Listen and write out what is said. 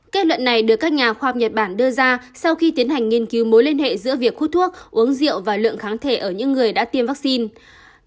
kết luận này được các nhà khoa học nhật bản đưa ra sau khi tiến hành nghiên cứu mối liên hệ giữa việc hút thuốc uống rượu và lượng kháng thể ở những người đã tiêm vaccine